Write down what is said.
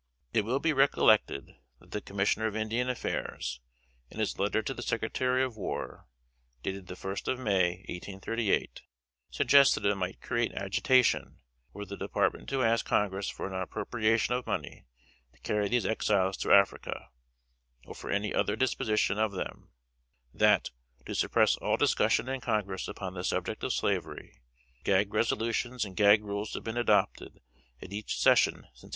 It will be recollected that the Commissioner of Indian Affairs, in his letter to the Secretary of War, dated the first of May, 1838, suggests that it might create agitation, were the Department to ask Congress for an appropriation of money to carry these Exiles to Africa, or for any other disposition of them; that, to suppress all discussion in Congress upon the subject of slavery, gag resolutions and gag rules had been adopted at each session since 1835.